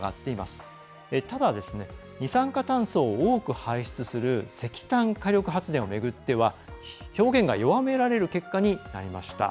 ただ、二酸化炭素を多く排出する石炭火力発電を巡っては表現が弱められる結果になりました。